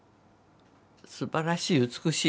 すばらしい美しいの。